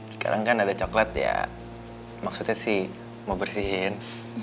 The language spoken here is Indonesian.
sekarang kan ada coklat ya maksudnya sih mau bersihin